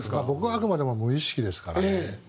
僕はあくまでも無意識ですからね。